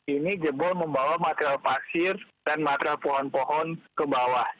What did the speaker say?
ini jebol membawa material pasir dan material pohon pohon ke bawah